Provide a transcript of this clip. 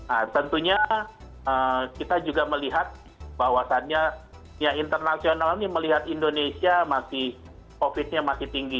eee tentunya eee kita juga melihat bahwasannya ya internasional ini melihat indonesia masih covidnya masih tinggi